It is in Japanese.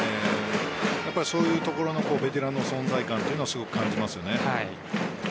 そういうところのベテランの存在感というのをすごく感じます。